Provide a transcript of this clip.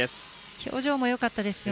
表情もよかったですよね。